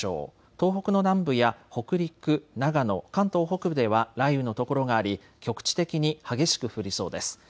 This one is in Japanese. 東北の南部や北陸、長野、関東北部では雷雨の所があり局地的に激しく降りそうです。